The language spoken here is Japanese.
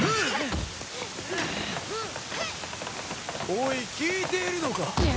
おい聞いているのか？